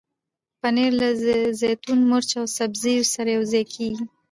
پنېر له زیتون، مرچ او سبزیو سره یوځای کېږي.